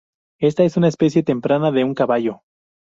Esta es una especie temprana de un caballo.